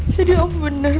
jadi om benar